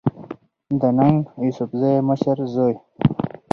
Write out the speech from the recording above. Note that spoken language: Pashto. د ننګ يوسفزۍ مشر زوی